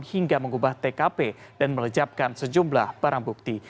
hingga mengubah tkp dan melejapkan sejumlah barang bukti